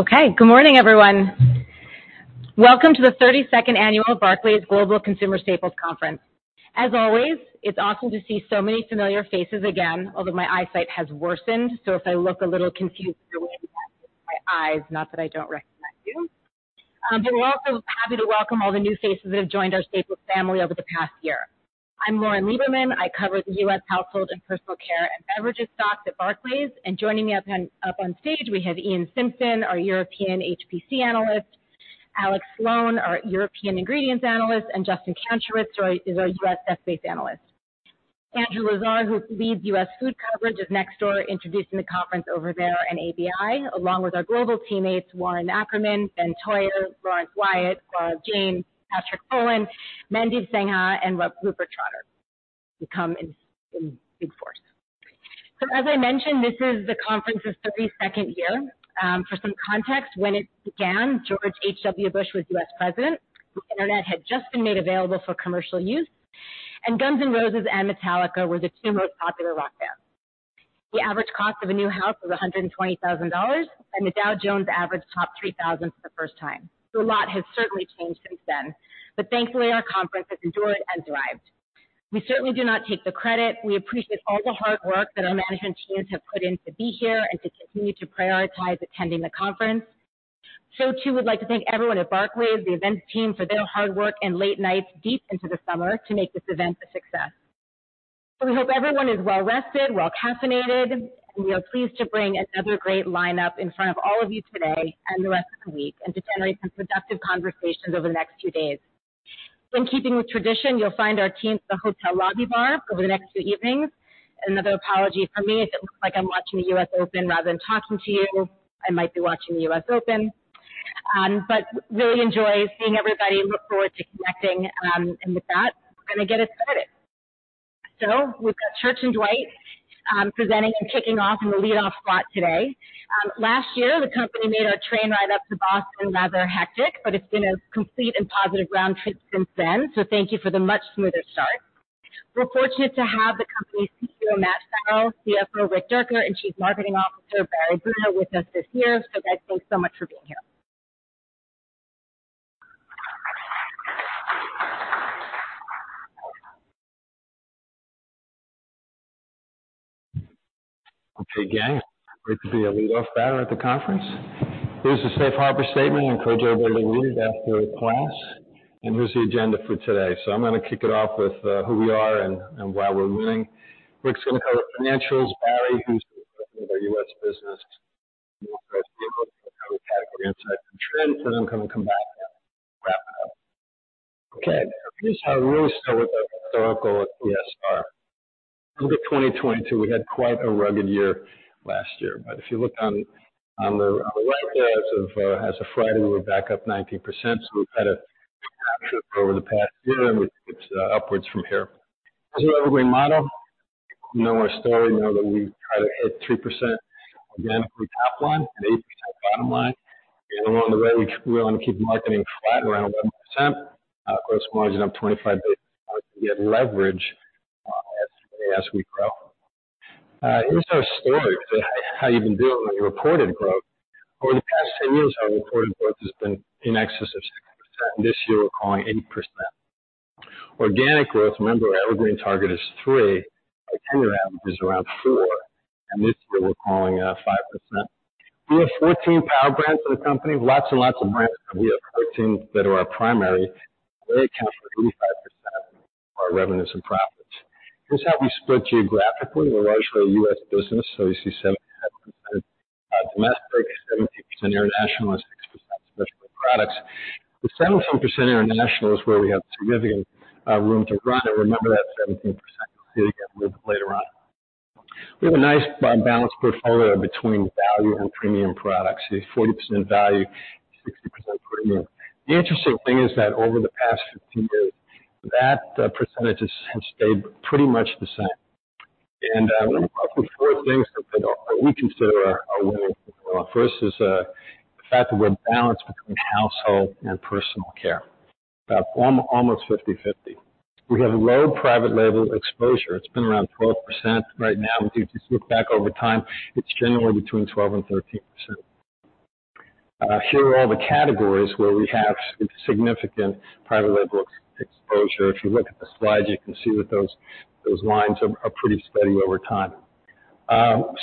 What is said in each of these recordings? Okay, good morning, everyone. Welcome to the 32nd annual Barclays Global Consumer Staples Conference. As always, it's awesome to see so many familiar faces again, although my eyesight has worsened, so if I look a little confused, my eyes, not that I don't recognize you. But we're also happy to welcome all the new faces that have joined our Staples family over the past year. I'm Lauren Lieberman. I cover the U.S. household and personal care and beverages stocks at Barclays, and joining me up, up on stage, we have Iain Simpson, our European HPC analyst, Alex Sloane, our European ingredients analyst, and Justin Kanciruk is our U.S.-based analyst. Andrew Lazar, who leads U.S. food coverage, is next door, introducing the conference over there in ABI, along with our global teammates, Warren Ackerman, Ben Theurer, Laurence Whyatt, Gaurav Jain, Patrick Folan, Mandeep Sangha, and Rupert Trotter. We come in, in big force. So as I mentioned, this is the conference's 32nd year. For some context, when it began, George H.W. Bush was U.S. president, the internet had just been made available for commercial use, and Guns N' Roses and Metallica were the two most popular rock bands. The average cost of a new house was $120,000, and the Dow Jones average topped 3,000 for the first time. So a lot has certainly changed since then, but thankfully, our conference has endured and thrived. We certainly do not take the credit. We appreciate all the hard work that our management teams have put in to be here and to continue to prioritize attending the conference. So too, we'd like to thank everyone at Barclays, the event team, for their hard work and late nights deep into the summer to make this event a success. So we hope everyone is well rested, well-caffeinated, and we are pleased to bring another great lineup in front of all of you today and the rest of the week, and to generate some productive conversations over the next few days. In keeping with tradition, you'll find our team at the hotel lobby bar over the next two evenings. Another apology from me, if it looks like I'm watching the U.S. Open rather than talking to you, I might be watching the U.S. Open. But really enjoy seeing everybody and look forward to connecting. And with that, we're going to get it started. So we've got Church & Dwight presenting and kicking off in the lead-off spot today. Last year, the company made our train ride up to Boston rather hectic, but it's been a complete and positive round trip since then, so thank you for the much smoother start. We're fortunate to have the company's CEO, Matt Farrell, CFO Rick Dierker, and Chief Marketing Officer Barry Bruno with us this year. So guys, thanks so much for being here. Okay, gang, great to be our lead off batter at the conference. Here's the safe harbor statement. I encourage you all to read that for points, and here's the agenda for today. So I'm going to kick it off with who we are and, and why we're winning. Rick's going to cover financials, Barry, who's the head of our U.S. business, category insight and trends, and I'm going to come back and wrap it up. Okay, here's how we really start with our historical TSR. Look at 2022, we had quite a rugged year last year, but if you look on the right there, as of Friday, we were back up 19%. So we've had a over the past year, and we think it's upwards from here. As an evergreen model, you know our story, know that we try to hit 3% organically top line and 8% bottom line. Along the way, we, we want to keep marketing flat, around 1%, gross margin up 25 basis points, net leverage, as we grow. Here's our story for how you've been doing on your reported growth. Over the past 10 years, our reported growth has been in excess of 6%. This year, we're calling it 8%. Organic growth, remember, our evergreen target is 3%. Our 10-year average is around 4%, and this year we're calling it 5%. We have 14 power brands in the company, lots and lots of brands, but we have 14 that are our primary. They account for 85% of our revenues and profits. Here's how we split geographically. We're largely a U.S. business, so you see 75%, domestic, 17% international, and 6% Specialty Products. The 17% international is where we have significant room to run. Remember that 17%. You'll see it again later on. We have a nice balanced portfolio between value and premium products, see 40% value, 60% premium. The interesting thing is that over the past 15 years, that percentage has stayed pretty much the same. We look at four things that we consider a winning formula. First is the fact that we're balanced between household and personal care, about almost 50/50. We have low private label exposure. It's been around 12% right now. If you just look back over time, it's generally between 12% and 13%. Here are all the categories where we have significant private label exposure. If you look at the slides, you can see that those lines are pretty steady over time.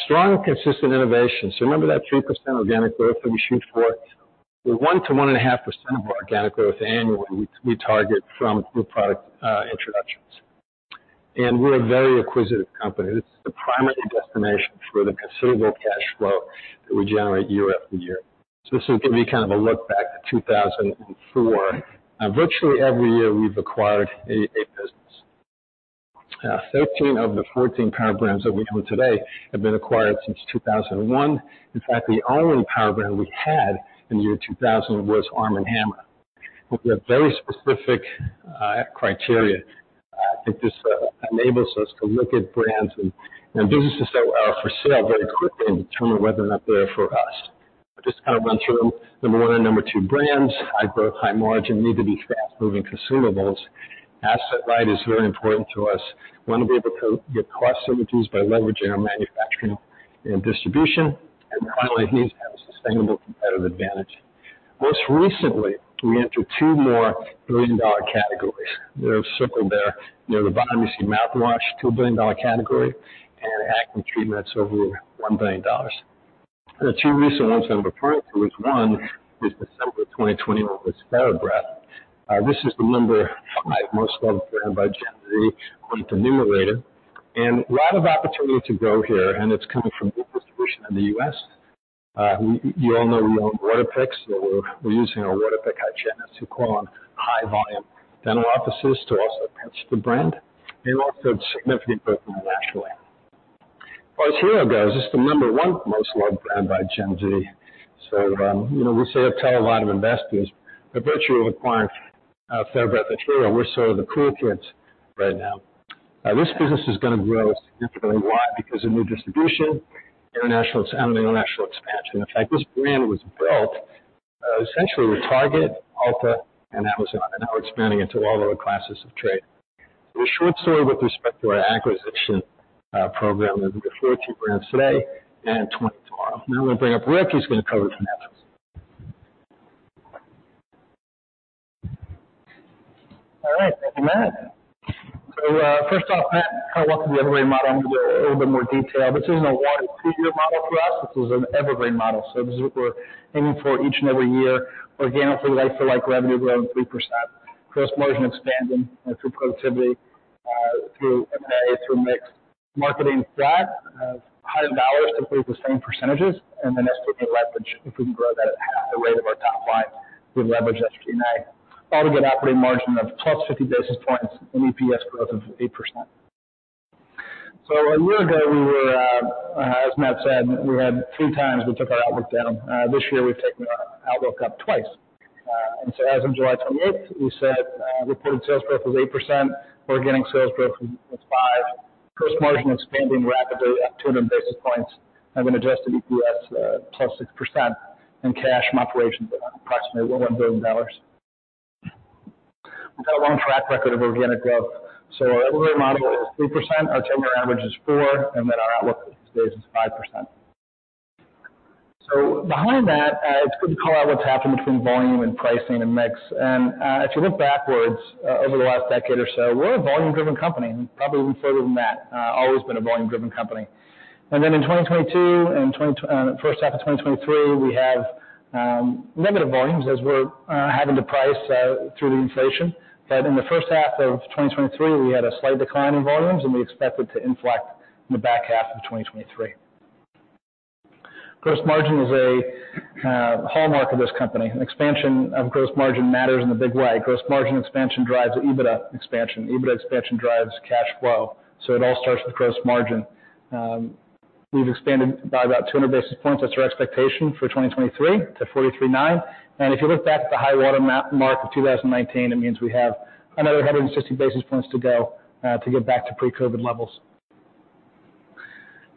Strong, consistent innovation. So remember that 3% organic growth that we shoot for? The 1%-1.5% of our organic growth annually, we target from new product introductions. And we're a very acquisitive company. This is the primary destination for the considerable cash flow that we generate year-after-year. So this will give you kind of a look back to 2004, and virtually every year we've acquired a business. Thirteen of the 14 power brands that we own today have been acquired since 2001. In fact, the only power brand we had in the year 2000 was Arm & Hammer. We have very specific criteria. I think this enables us to look at brands and businesses that are for sale very quickly and determine whether or not they're for us. Just to kind of run through them. number 1 and number 2, brands, high growth, high margin, need to be fast-moving consumables. Asset light is very important to us. We want to be able to get cost synergies by leveraging our manufacturing and distribution, and finally, have a sustainable competitive advantage. Most recently, we entered 2 more billion-dollar categories. They're circled there. Near the bottom, you see mouthwash, $2 billion category, and acne treatments, over $1 billion. The two recent ones that I'm referring to is, one, is December 2021, was TheraBreath. This is the number 5 most loved brand by Gen Z on the Numerator, and a lot of opportunity to grow here, and it's coming from new distribution in the U.S. You all know we own Waterpik, so we're using our Waterpik hygienists who call on high-volume dental offices to also pitch the brand, and also have significant growth internationally. As Hero goes, it's the number 1 most loved brand by Gen Z. So, you know, we say, I tell a lot of investors, the virtue of acquiring TheraBreath materially, we're selling the cool kids right now. This business is going to grow significantly. Why? Because of new distribution, international and international expansion. In fact, this brand was built essentially with Target, Ulta, and Amazon, and now expanding into all other classes of trade. The short story with respect to our acquisition program is we have 14 brands today and 20 tomorrow. Now I'm going to bring up Rick, he's going to cover the financials. All right. Thank you, Matt. So, first off, Matt talked about the evergreen model. I'm going to go a little bit more detail. This isn't a one to two-year model for us. This is an evergreen model. So this is what we're aiming for each and every year. Organically, we'd like for, like, revenue growing 3%. Gross margin expanding through productivity, through M&A, through mix. Marketing spend $100 to improve the same percentages, and then SG&A leverage. If we can grow that at half the rate of our top line, we leverage SG&A. All to get operating margin of +50 basis points and EPS growth of 8%. So a year ago, we were, as Matt said, we had two times we took our outlook down. This year we've taken our outlook up twice. And so as of July 28th, we said, reported sales growth was 8%. We're getting sales growth of 5%. Gross margin expanding rapidly at 200 basis points, and an Adjusted EPS +6%, and cash from operations of approximately $1 billion. We've got a long track record of organic growth, so our overall model is 3%, our 10-year average is 4%, and then our outlook for these days is 5%. So behind that, it's good to call out what's happening between volume and pricing and mix. And if you look backwards over the last decade or so, we're a volume-driven company, and probably even further than that, always been a volume-driven company. And then in 2022 and 20... First half of 2023, we have limited volumes as we're having to price through the inflation. But in the first half of 2023, we had a slight decline in volumes, and we expect it to inflect in the back half of 2023. Gross margin is a hallmark of this company. An expansion of gross margin matters in a big way. Gross margin expansion drives EBITDA expansion. EBITDA expansion drives cash flow. So it all starts with gross margin. We've expanded by about 200 basis points. That's our expectation for 2023 to 43.9. And if you look back at the high-water mark of 2019, it means we have another 160 basis points to go to get back to pre-COVID levels.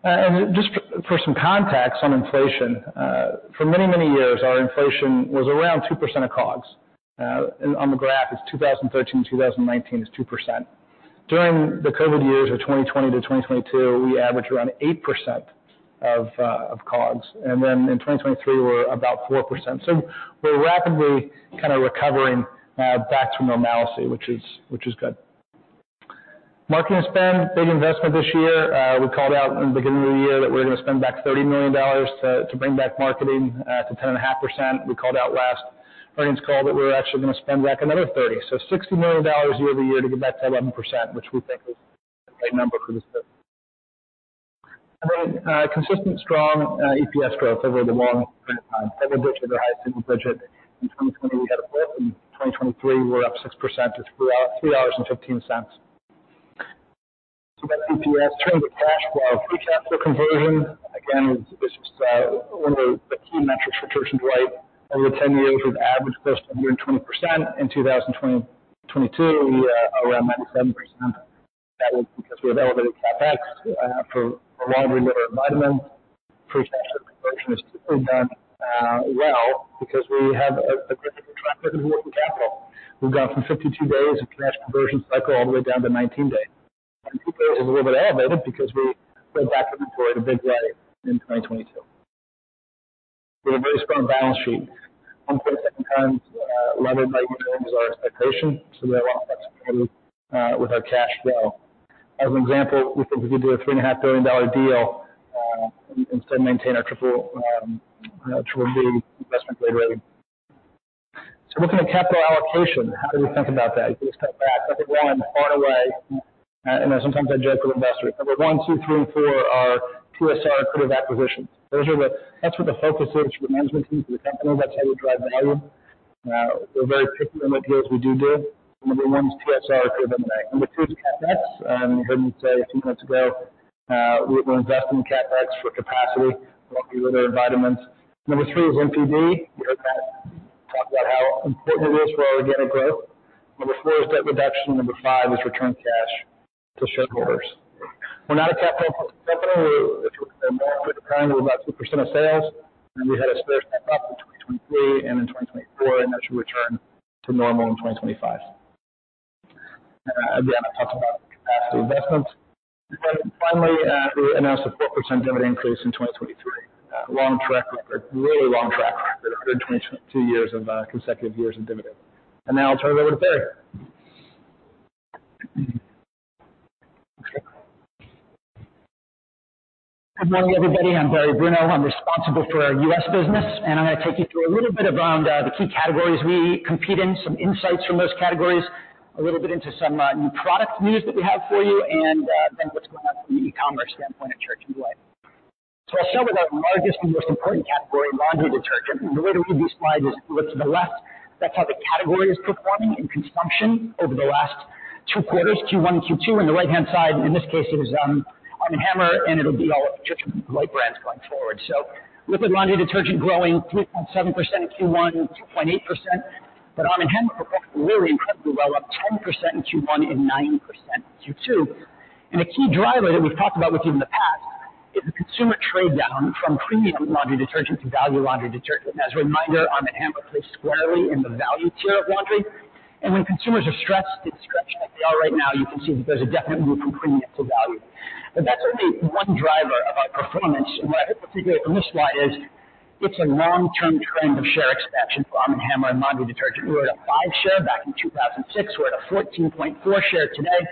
And just for some context on inflation, for many, many years, our inflation was around 2% of COGS. On the graph, it's 2013, 2019 is 2%. During the COVID years of 2020 to 2022, we averaged around 8% of, of COGS, and then in 2023, we're about 4%. So we're rapidly kind of recovering back to normalcy, which is, which is good. Marketing spend, big investment this year. We called out in the beginning of the year that we're going to spend back $30 million to, to bring back marketing to 10.5%. We called out last earnings call that we're actually going to spend back another $30 million. So $60 million year-over-year to get back to 11%, which we think is a great number for this business. And then, consistent strong, EPS growth over the long time. Evergreen with the highest single digit. In 2020, we had a fourth, in 2023, we're up 6% to $3.03, $3.15. So that's EPS. In terms of cash flow, free cash flow conversion, again, is just, one of the, the key metrics for Church & Dwight. Over 10 years, we've averaged close to 20%. In 2022, we, around 97%. That was because we had elevated CapEx, for a while, we lowered vitamins. Free cash flow conversion is done, well, because we have a critical track record of working capital. We've gone from 52 days of cash conversion cycle all the way down to 19 days. Two days is a little bit elevated because we went back and deployed a big way in 2022. We have a very strong balance sheet. 1.7 times levered by returns our expectation, so we have a lot of flexibility with our cash flow. As an example, we think we could do a $3.5 billion deal and still maintain our triple, you know, triple B investment grade rating. Looking at capital allocation, how do we think about that? You just cut back, I think one far away, and sometimes I joke with investors, number one, two, three, and four are TSR accretive acquisitions. Those are the. That's what the focus is for the management team, for the company. That's how we drive value. We're very picky on what deals we do do. Number one is TSR accretive. Number two is CapEx. You heard me say a few months ago, we're investing in CapEx for capacity, working with other vitamins. Number three is NPD. You heard Matt talk about how important it is for our organic growth. Number four is debt reduction. Number five is return cash to shareholders. We're not a capital company. We're, if you look at more over time, we're about 2% of sales, and we had a spare step up in 2023 and in 2024, and that should return to normal in 2025. Again, I talked about capacity investments. But finally, we announced a 4% dividend increase in 2023. A long track record, really long track record, a good 22 years of consecutive years of dividend. Now I'll turn it over to Barry. Good morning, everybody. I'm Barry Bruno. I'm responsible for our U.S. business, and I'm going to take you through a little bit around the key categories we compete in, some insights from those categories, a little bit into some new product news that we have for you, and then what's going on from the e-commerce standpoint at Church & Dwight. So I'll start with our largest and most important category, laundry detergent. The way to read these slides is look to the left. That's how the category is performing in consumption over the last two quarters, Q1 and Q2, on the right-hand side. In this case, it is Arm & Hammer, and it'll be all Church & Dwight brands going forward. So liquid laundry detergent growing 3.7% in Q1, 2.8%. But Arm & Hammer performed really incredibly well, up 10% in Q1 and 9% in Q2. And a key driver that we've talked about with you in the past is the consumer trade down from premium laundry detergent to value laundry detergent. As a reminder, Arm & Hammer plays squarely in the value tier of laundry. And when consumers are stretched as stretched as they are right now, you can see that there's a definite move from premium to value. But that's only one driver of our performance. And what I particularly from this slide is it's a long-term trend of share expansion for Arm & Hammer and laundry detergent. We were at a 5 share back in 2006. We're at a 14.4 share today.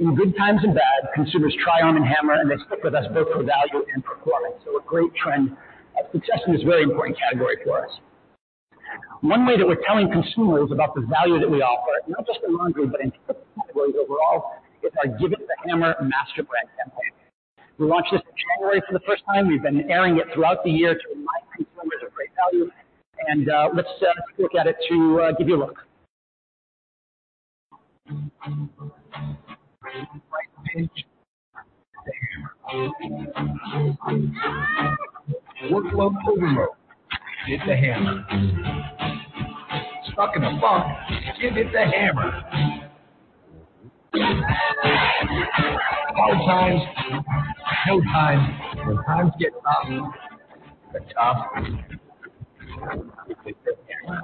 In good times and bad, consumers try Arm & Hammer, and they stick with us both for value and performance. So a great trend of success in this very important category for us. One way that we're telling consumers about the value that we offer, not just in laundry, but in categories overall, is our Give It the Hammer master brand campaign. We launched this in January for the first time. We've been airing it throughout the year to remind consumers of great value, and let's look at it to give you a look. Give it the hammer. Give it the hammer. Stuck in the muck? Give it the hammer. Hard times, no times, when times get tough. Give it the hammer.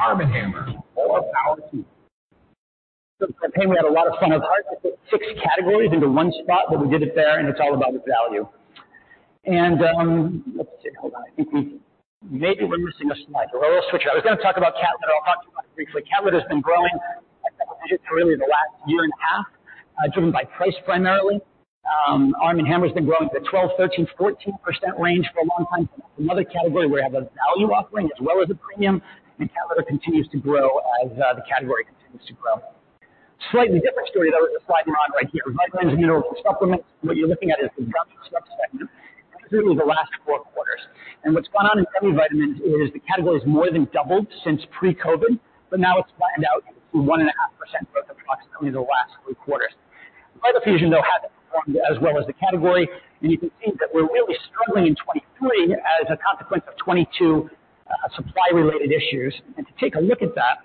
Arm & Hammer, more power to you. So we had a lot of fun hard to fit six categories into one spot, but we did it, fair, and it's all about the value. Let's see. Hold on. I think maybe we're missing a slide, but we'll switch it. I was going to talk about cat litter. I'll talk to you about it briefly. Cat litter has been growing really in the last year and a half, driven by price primarily. Arm & Hammer has been growing at 12%-14% range for a long time. Another category where we have a value offering as well as a premium, and cat litter continues to grow as the category continues to grow. Slightly different story, though, with the slide we're on right here. Vitamins and nutritional supplements. What you're looking at is the gummy subsegment, clearly the last four quarters. And what's gone on in every vitamin is the category has more than doubled since pre-COVID, but now it's flattened out to 1.5% growth, approximately the last three quarters. vitafusion, though, hasn't performed as well as the category, and you can see that we're really struggling in 2023 as a consequence of 2022, supply-related issues. And to take a look at that,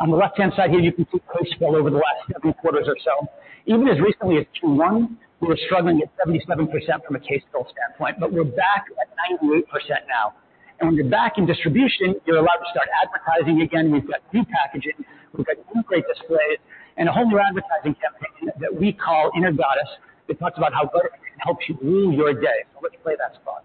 on the left-hand side here, you can see case fill over the last seven quarters or so. Even as recently as Q1, we were struggling at 77% from a case fill standpoint, but we're back at 98% now. And when you're back in distribution, you're allowed to start advertising again. We've got new packaging, we've got great displays, and a whole new advertising campaign that we call Inner Goddess that talks about how vitamins helps you rule your day. Let's play that spot.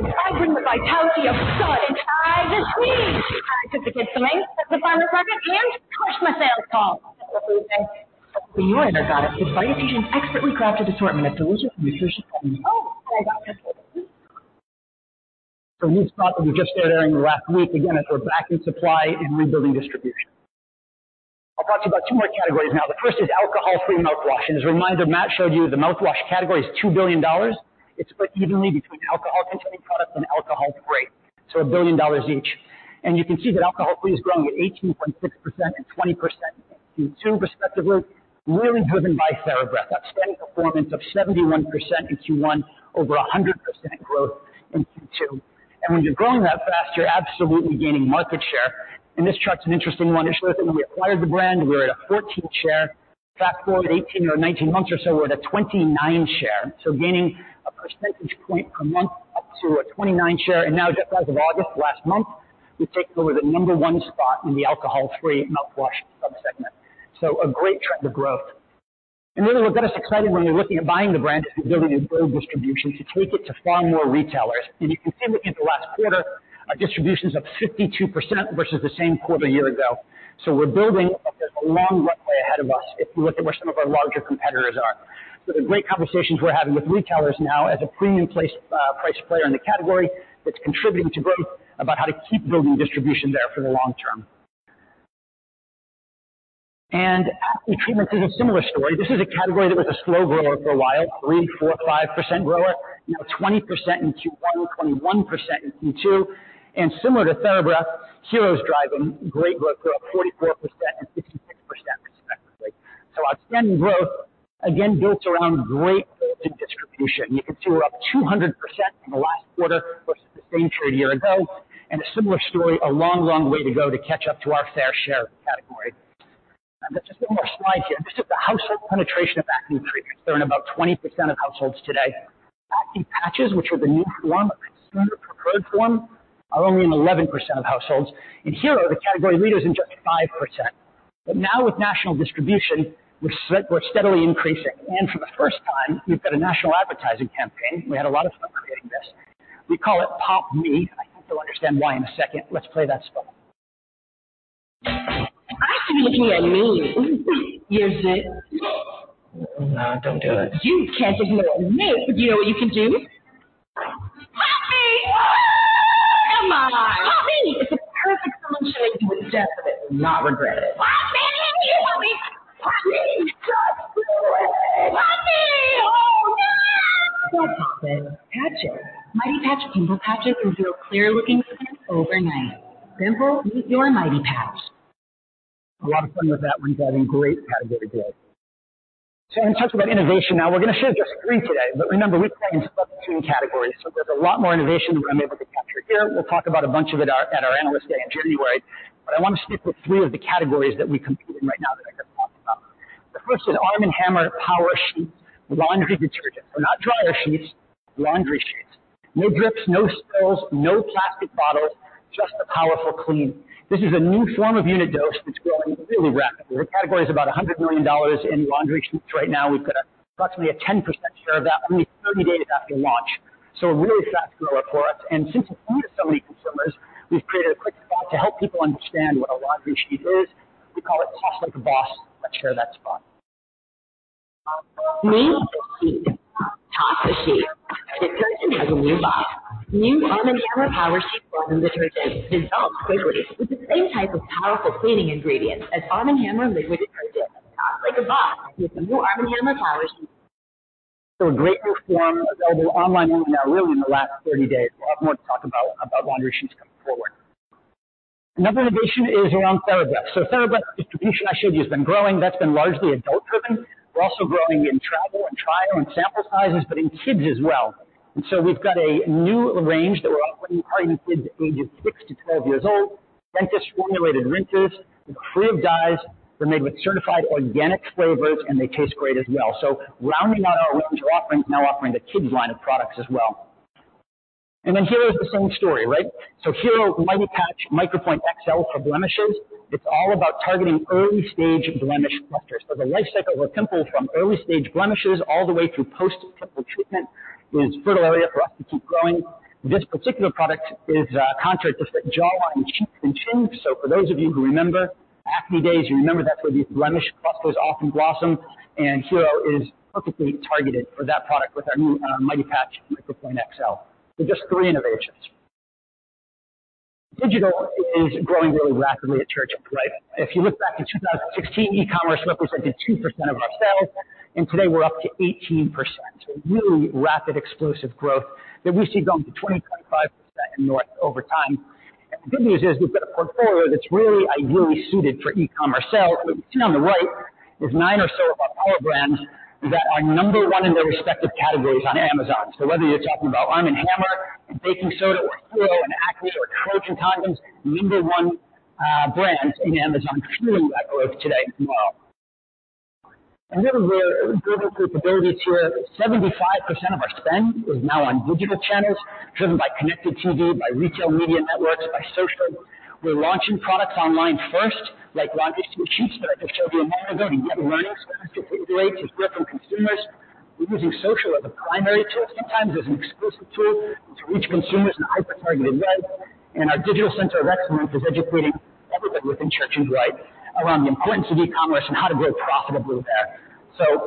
Well, I bring the vitality of sun and I just squeeze. I took the kids to length at the final second, and crush my sales call. What were you saying? So you are Inner Goddess, the vitafusion expertly crafted assortment of delicious nutrition. Oh, I got this. So we thought that we just started airing last week. Again, as we're back in supply and rebuilding distribution. I'll talk to you about two more categories now. The first is alcohol-free mouthwash. And as a reminder, Matt showed you the mouthwash category is $2 billion. It's split evenly between alcohol-containing products and alcohol-free, so $1 billion each. And you can see that alcohol-free is growing at 18.6% and 20% in Q2 respectively, really driven by TheraBreath. That's steady performance of 71% in Q1, over 100% growth in Q2. And when you're growing that fast, you're absolutely gaining market share. And this chart's an interesting one. Just look at when we acquired the brand, we were at a 14 share. Fast forward, 18 or 19 months or so, we're at a 29 share. So gaining a percentage point per month up to a 29% share. And now, as of August last month, we've taken over the number one spot in the alcohol-free mouthwash subsegment. So a great trend of growth. And then what got us excited when we were looking at buying the brand is building a good distribution to take it to far more retailers. And you can see looking at the last quarter, our distribution is up 52% versus the same quarter a year ago. So we're building, but there's a long runway ahead of us if you look at where some of our larger competitors are. So the great conversations we're having with retailers now as a premium price player in the category, that's contributing to growth about how to keep building distribution there for the long term. And acne treatment is a similar story. This is a category that was a slow grower for a while, 3%, 4%, 5% grower, now 20% in Q1, 21% in Q2. And similar to TheraBreath, Hero's driving great growth, growth 44% and 56% respectively. So outstanding growth. Again, built around great distribution. You can see we're up 200% in the last quarter versus the same trade year ago, and a similar story, a long, long way to go to catch up to our fair share category. And just one more slide here. This is the household penetration of acne treatments. They're in about 20% of households today. Acne patches, which are the new form, a consumer-preferred form, are only in 11% of households, and Hero, the category leader, is in just 5%. But now with national distribution, we're steadily increasing. For the first time, we've got a national advertising campaign. We had a lot of fun creating this. We call it Pop Me! I think you'll understand why in a second. Let's play that spot. I see you looking at me, your zit. No, don't do it. You can't just ignore me. But you know what you can do? Pop me! Oh, my. Pop me. It's a perfect solution. You will just not regret it. Pop me. Pop me. Pop me. Oh, my! Don't pop it, patch it. Mighty Patch Pimple Patches reveal clear-looking skin overnight. Pimple, meet your Mighty Patch. A lot of fun with that one, driving great category growth. So in terms of our innovation, now we're going to share just three today, but remember, we play in 17 categories, so there's a lot more innovation than I'm able to capture here. We'll talk about a bunch of it at our Analyst Day in January, but I want to stick with three of the categories that we compete in right now that I could talk about. The first is Arm & Hammer Power Sheets, laundry detergent. So not dryer sheets, laundry sheets. No drips, no spills, no plastic bottles, just a powerful clean. This is a new form of unit dose that's growing really rapidly. The category is about $100 million in laundry sheets right now. We've got approximately a 10% share of that, only 30 days after launch. A really fast grower for us. Since it's new to so many consumers, we've created a quick spot to help people understand what a laundry sheet is. We call it 'Toss Like a Boss.' Let's share that spot. Meet the sheet. Toss the sheet. Detergent has a new body. New Arm & Hammer Power Sheets laundry detergent dissolves quickly with the same type of powerful cleaning ingredients as Arm & Hammer liquid detergent. Toss like a boss with the new Arm & Hammer Power Sheets. So a great new form available online only now, really, in the last 30 days. We'll have more to talk about, about laundry sheets coming forward. Another innovation is around TheraBreath. So TheraBreath distribution, I showed you, has been growing. That's been largely adult-driven. We're also growing in travel, and trial, and sample sizes, but in kids as well. And so we've got a new range that we're offering targeted kids ages six-12 years old. Dentist-formulated rinses, free of dyes. They're made with certified organic flavors, and they taste great as well. So rounding out our range, we're now offering a kids line of products as well. And then Hero is the same story, right? So Hero Mighty Patch Micropoint XL for blemishes. It's all about targeting early-stage blemish clusters. So the life cycle of a pimple from early-stage blemishes all the way through post-pimple treatment, is fertile area for us to keep growing. This particular product is contracted to fit jawline, cheeks, and chin. So for those of you who remember acne days, you remember that's where these blemish clusters often blossom, and Hero is perfectly targeted for that product with our new Mighty Patch Micropoint XL. So just three innovations. Digital is growing really rapidly at Church & Dwight. If you look back in 2016, e-commerce represented 2% of our sales, and today we're up to 18%. So really rapid, explosive growth that we see going to 20%-25% and more over time. And the good news is, we've got a portfolio that's really ideally suited for e-commerce sales. What you see on the right is nine or so of our power brands that are number one in their respective categories on Amazon. So whether you're talking about Arm & Hammer, or baking soda, or Hero, or acne, or Trojan condoms, number one brands in Amazon, fueling that growth today as well. And then we have global capabilities here. 75% of our spend is now on digital channels, driven by connected TV, by retail media networks, by social. We're launching products online first, like laundry sheets that I just showed you a moment ago, to get learning quickly, to get direct from consumers. We're using social as a primary tool, sometimes as an exclusive tool, to reach consumers in hyper-targeted ways. And our digital center of excellence is educating everybody within Church & Dwight around the importance of e-commerce and how to grow profitably there.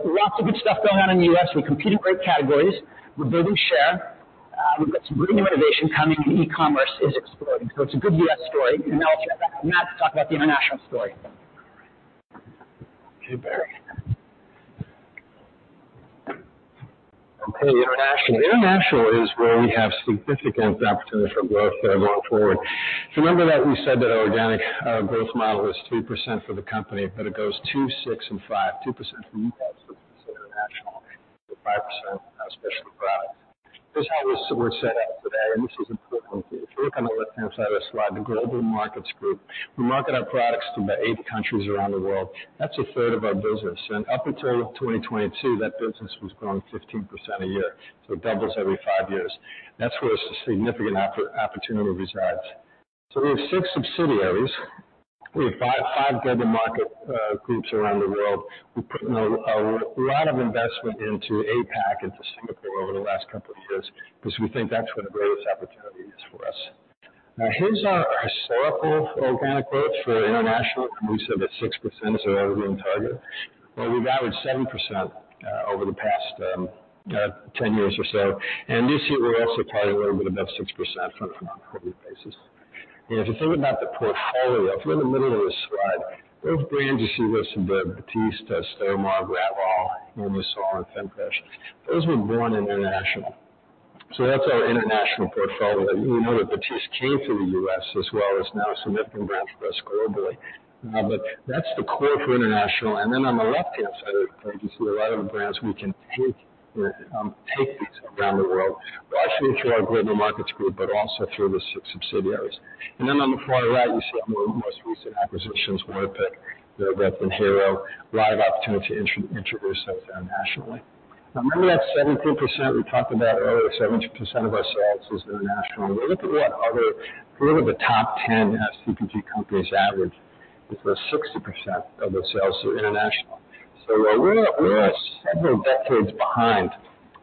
Lots of good stuff going on in the U.S. We compete in great categories, we're building share, we've got some great new innovation coming, and e-commerce is exploding. It's a good U.S. story. Now I'll turn it back to Matt to talk about the international story. Okay, Barry. Okay, international. International is where we have significant opportunity for growth going forward. So remember that we said that our organic growth model is 3% for the company, but it goes 2%, 6%, and 5. 2% for the U.S., 6% international, and 5% special products. This is how we're set up today, and this is important. If you look on the left-hand side of the slide, the global markets group. We market our products to about eight countries around the world. That's a third of our business, and up until 2022, that business was growing 15% a year. So it doubles every five years. That's where significant opportunity resides. So we have six subsidiaries. We have five Global Market Groups around the world. We're putting a lot of investment into APAC, into Singapore over the last couple of years, because we think that's where the greatest opportunity is for us. Now, here's our historical organic growth for international. And we said that 6% is our ongoing target. Well, we've averaged 7%, over the past, 10 years or so, and this year, we're also targeting a little bit above 6% on a portfolio basis. And if you think about the portfolio, if you're in the middle of this slide, those brands you see listed there, Batiste, Stérimar, Gravol, Curash, and femfresh, those were born international.... So that's our international portfolio. You know that Batiste came from the U.S. as well as now a significant brand for us globally. But that's the core for international. On the left-hand side of the page, you see a lot of the brands we can take these around the world, largely through our global markets group, but also through the six subsidiaries. On the far right, you see our most recent acquisitions, Waterpik, Hero, a lot of opportunity to introduce those internationally. Now, remember that 17% we talked about earlier, 17% of our sales is international. When you look at the top 10 FMCG companies average, it's where 60% of their sales are international. So while we are several decades behind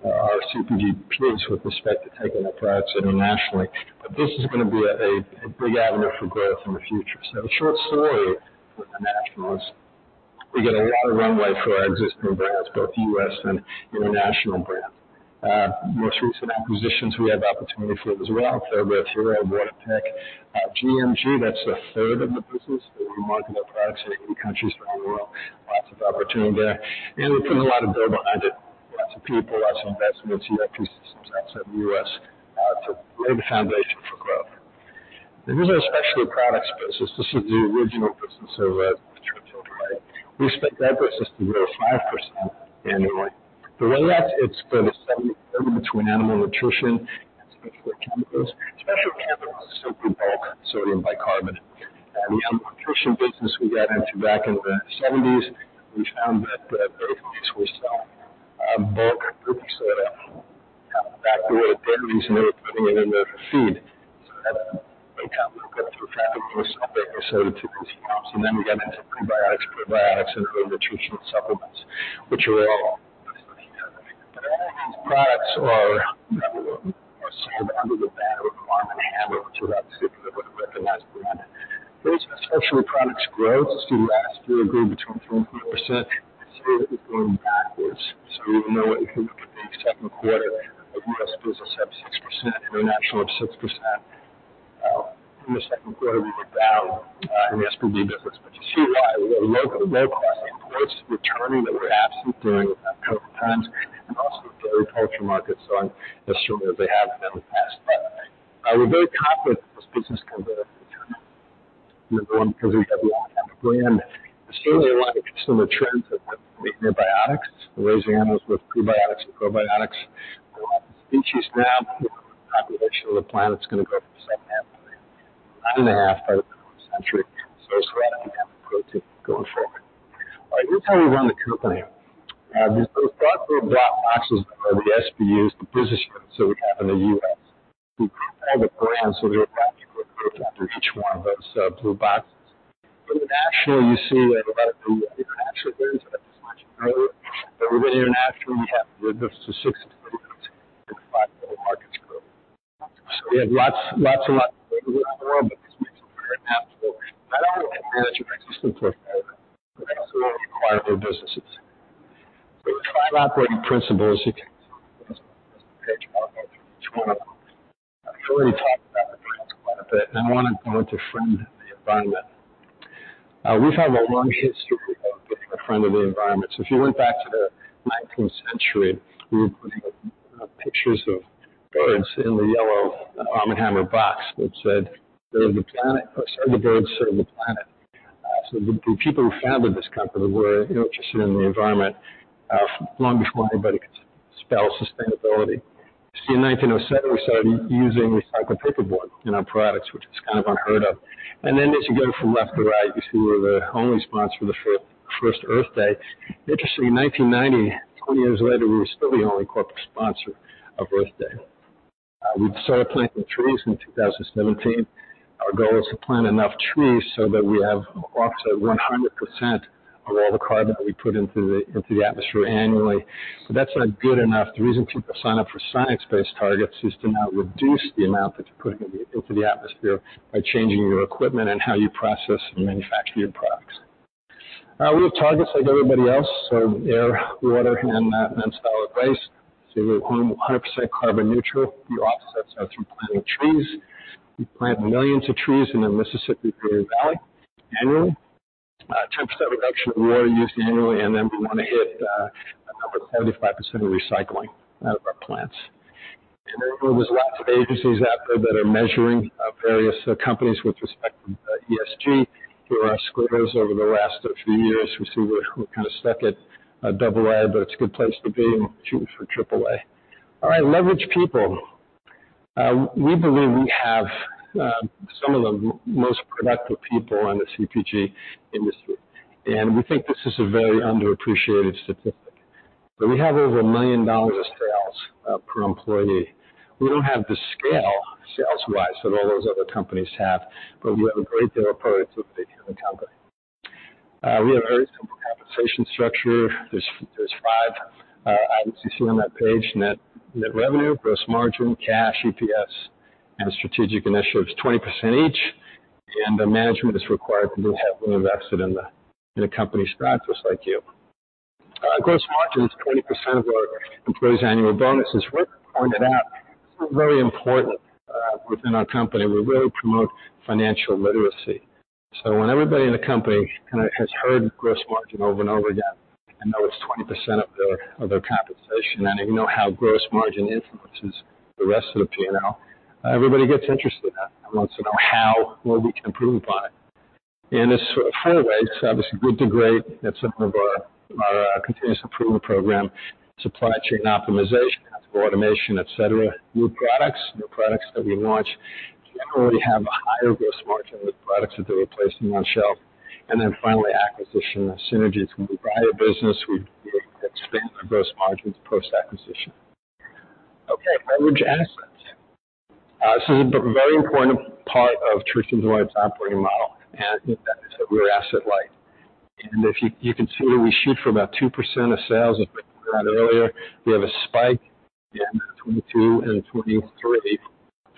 our CPG peers with respect to taking our products internationally, but this is gonna be a big avenue for growth in the future. So the short story with international is we get a lot of runway for our existing brands, both U.S. and international brands. Most recent acquisitions, we have opportunity for it as well. TheraBreath, Hero, Waterpik, GMG, that's a third of the business. We want to market our products in 80 countries around the world. Lots of opportunity there, and we're putting a lot of build behind it. Lots of people, lots of investments, ERP systems outside the U.S., to lay the foundation for growth. And these are Specialty Products business. This is the original business of Arm & Hammer. We expect that business to grow 5% annually. The way out, it's for the segment between animal nutrition and specialty chemicals. Specialty chemicals is simply bulk sodium bicarbonate. The nutrition business we got into back in the 1970s, we found that dairies were selling bulk baking soda back to where the dairies, and they were putting it in their feed. So that a great time. We went through a phase where we sold it to those accounts, and then we got into prebiotics, probiotics, and early nutritional supplements, which are all basically happening. But all of these products are, you know, sold under the brand Arm & Hammer, which you obviously wouldn't recognize the brand. Those special products growth, as you last year, grew between 4%-5%. I'd say that we're going backwards. So even though it improved in the second quarter of U.S. business, up 6%, international, up 6%. In the second quarter, we were down in the SPB business. But you see why. We got low, low-cost imports returning that were absent during the COVID times, and also dairy culture markets aren't as strong as they have been in the past. We're very confident this business can grow in the future. Number one, because we have a long-term brand. Assuming a lot of consumer trends with prebiotics, raising animals with prebiotics and probiotics. A lot of species now, the population of the planet is gonna grow from 7.5-9.5 by the 21st century. So it's a lot of animal protein going forward. All right, this is how we run the company. These, those dark blue boxes are the SBUs, the business units that we have in the U.S. We call the brands, so we have people under each one of those, blue boxes. International, you see that a lot of the international brands are much bigger. But within international, we have up to six markets, in the five Global Markets Group. So we have lots, lots and lots to work with around the world, but this makes it very impactful. Not only manage your existing portfolio, but also acquire new businesses. So the five operating principles, you can... Page one, two. I've already talked about the principle a bit, and I want to go to friend of the environment. We've had a long history of being a friend of the environment. So if you went back to the nineteenth century, we were putting up pictures of birds in the yellow Arm & Hammer box that said, "Serve the planet," or sorry, "The birds serve the planet." So the people who founded this company were interested in the environment long before anybody could spell sustainability. You see, in 1907, we started using recycled paper board in our products, which is kind of unheard of. And then as you go from left to right, you see we were the only sponsor for the first Earth Day. Interestingly, in 1990, 20 years later, we were still the only corporate sponsor of Earth Day. We started planting trees in 2017. Our goal is to plant enough trees so that we have offset 100% of all the carbon that we put into the, into the atmosphere annually. But that's not good enough. The reason people sign up for science-based targets is to now reduce the amount that you're putting into the, into the atmosphere by changing your equipment and how you process and manufacture your products. We have targets like everybody else, so air, water, and solid waste. So we're 100% carbon neutral. The offsets are through planting trees. We plant millions of trees in the Mississippi River Valley annually. 10% reduction of water use annually, and then we want to hit a number of 35% of recycling out of our plants. And there's lots of agencies out there that are measuring various companies with respect to ESG. Here are our scores over the last few years. We see we're kind of stuck at double A, but it's a good place to be and shooting for triple A. All right. Leverage people. We believe we have some of the most productive people in the CPG industry, and we think this is a very underappreciated statistic. But we have over $1 million of sales per employee. We don't have the scale sales-wise that all those other companies have, but we have a great deal of productivity in the company. We have a very simple compensation structure. There's five items you see on that page: net revenue, gross margin, cash, EPS, and strategic initiatives, 20% each, and the management is required to be heavily invested in the company stock, just like you. Gross margin is 20% of our employees' annual bonuses. We pointed out, it's very important within our company. We really promote financial literacy. So when everybody in the company kind of has heard gross margin over and over again, and knows 20% of their compensation, and they know how gross margin influences the rest of the P&L, everybody gets interested in that and wants to know how well we can improve on it. There's four ways, obviously, good to great. That's some of our continuous improvement program, supply chain optimization, automation, et cetera. New products. New products that we launch generally have a higher gross margin than the products that they're replacing on shelf. Then finally, acquisition and synergies. When we buy a business, we expand our gross margins post-acquisition. Okay, leverage assets. This is a very important part of Church & Dwight operating model, and that is that we're asset light. If you can see we shoot for about 2% of sales, as we had earlier. We have a spike in 2022 and 2023,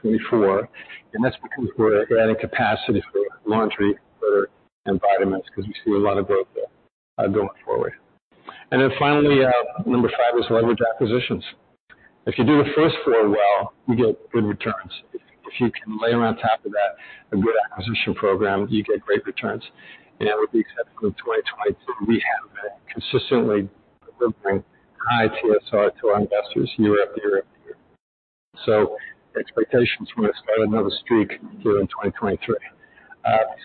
2024, and that's because we're adding capacity for laundry, litter, and vitamins, because we see a lot of growth there, going forward. Finally, number five is leverage acquisitions. If you do the first four well, you get good returns. If you can layer on top of that a good acquisition program, you get great returns. I would be excited for 2022. We have been consistently delivering high TSR to our investors year-after-year after year. So expectations were to start another streak here in 2023. We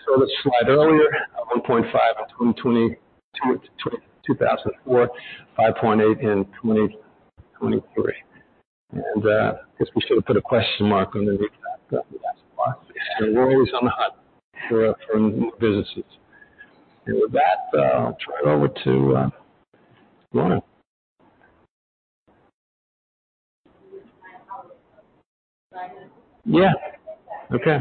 saw this slide earlier, 1.5 in 2022 to 2,004, 5.8 in 2023. I guess we should have put a question mark on the last slide. We're always on the hunt for new businesses. With that, I'll turn it over to Lauren. Yeah. Okay.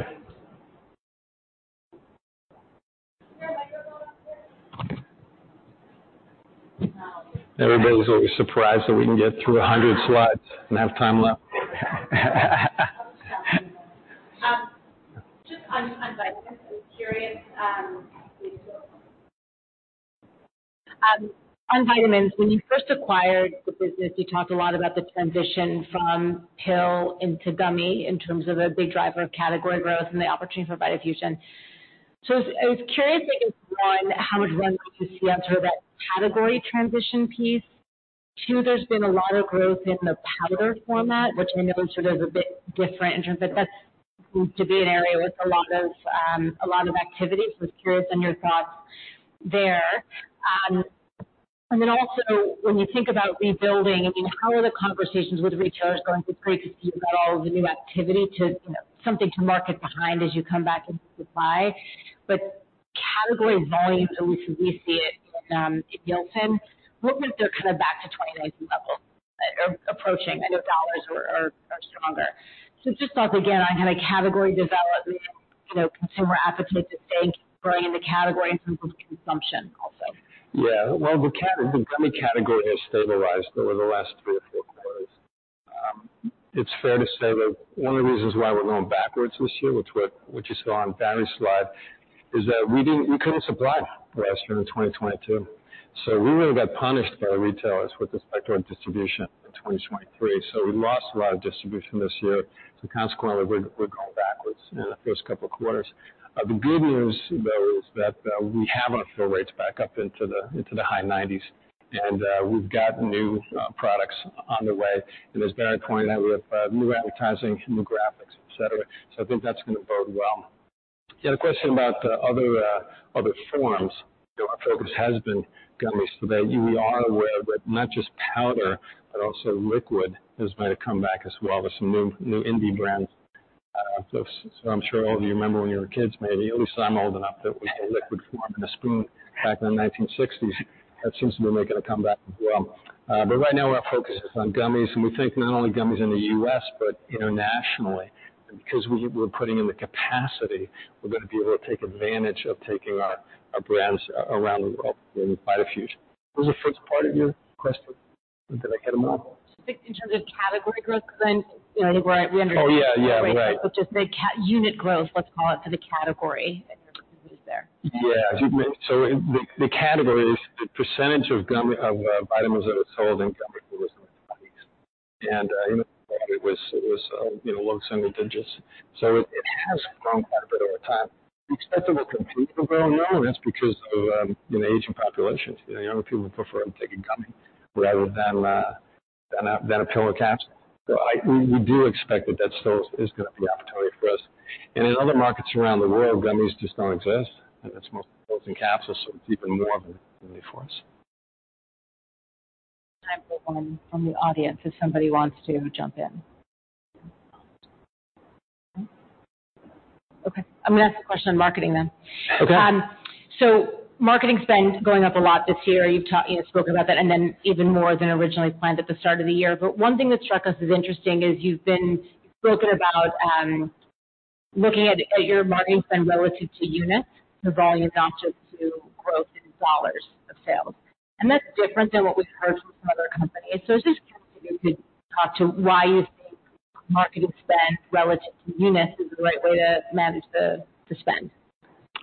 Everybody's always surprised that we can get through 100 slides and have time left. Just on vitamins, I'm curious on vitamins, when you first acquired the business, you talked a lot about the transition from pill into gummy in terms of a big driver of category growth and the opportunity for vitafusion. So I was curious, I think, one, how it runs to see on sort of that category transition piece. Two, there's been a lot of growth in the powder format, which I know is sort of a bit different in terms of... That's proved to be an area with a lot of activity. So just curious on your thoughts there. And then also, when you think about rebuilding, I mean, how are the conversations with retailers going to create, because you've got all the new activity to, you know, something to market behind as you come back into supply. But category volumes, at least as we see it, in Nielsen, movements are kind of back to 2019 levels, or approaching. I know dollars are stronger. So just thought, again, on kind of category development, you know, consumer appetite to stay growing in the category in terms of consumption also. Yeah, well, the gummy category has stabilized over the last three or four quarters. It's fair to say that one of the reasons why we're going backwards this year, which you saw on Barry's slide, is that we couldn't supply last year in 2022, so we really got punished by the retailers with respect to our distribution in 2023. So we lost a lot of distribution this year. So consequently, we're going backwards in the first couple of quarters. The good news, though, is that we have our fill rates back up into the high 90s, and we've got new products on the way. And as Barry pointed out, we have new advertising, new graphics, et cetera. So I think that's going to bode well. You had a question about other other forms. You know, our focus has been gummies today. We are aware that not just powder, but also liquid, is going to come back as well with some new, new indie brands, folks. So I'm sure all of you remember when you were kids, maybe, at least I'm old enough, that we had a liquid form in a spoon back in the 1960s. That seems to be making a comeback as well. But right now, our focus is on gummies, and we think not only gummies in the U.S., but internationally. Because we, we're putting in the capacity, we're going to be able to take advantage of taking our, our brands around the world in vitafusion. What was the first part of your question? Did I get them all? Just in terms of category growth, because I, you know, we're- Oh, yeah. Yeah, right. Which is the category unit growth, let's call it, for the category and your views there? Yeah. So the category is the percentage of gummy vitamins that are sold in gummies in the 1990s. And it was you know, low single digits. So it has grown quite a bit over time. We expect it will continue to grow, and that's because of you know, aging populations. You know, younger people prefer taking gummy rather than a pill or capsule. So we do expect that that still is going to be an opportunity for us. And in other markets around the world, gummies just don't exist, and it's mostly pills and capsules, so it's even more of a need for us. Time for one from the audience, if somebody wants to jump in. Okay, I'm going to ask a question on marketing then. Okay. So marketing spend is going up a lot this year. You've talked, you know, spoken about that, and then even more than originally planned at the start of the year. But one thing that struck us as interesting is you've been spoken about looking at your marketing spend relative to units, the volume, not just to growth in dollars of sales. And that's different than what we've heard from some other companies. So I was just curious if you could talk to why you think marketing spend relative to units is the right way to manage the spend?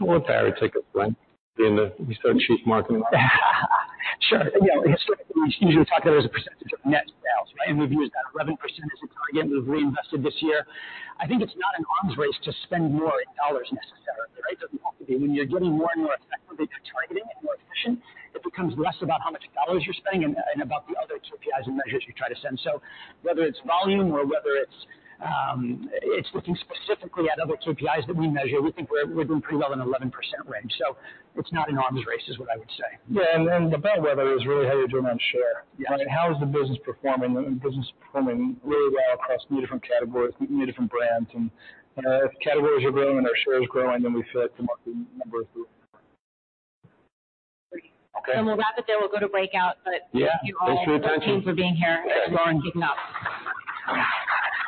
Well, I'll let Barry take it, right? Being the Chief Marketing Officer. Sure. You know, historically, we usually talk about it as a percentage of net sales, right? And we've used that 11% as a target. We've reinvested this year. I think it's not an arms race to spend more in $ necessarily, right? It doesn't have to be. When you're getting more and more effectively to targeting and more efficient, it becomes less about how much $ you're spending and about the other two KPIs and measures you try to send. So whether it's volume or whether it's, it's looking specifically at other KPIs that we measure, we think we're doing pretty well in the 11% range. So it's not an arms race, is what I would say. Yeah, and then the bellwether is really how you're doing on share. Yeah. I mean, how is the business performing? The business is performing really well across many different categories, many different brands. If categories are growing and our share is growing, then we feel like the marketing numbers are... Okay. We'll wrap it there. We'll go to breakout, but- Yeah. Thank you all. Thanks for your attention. Thanks for being here, and Lauren, thanks for coming up.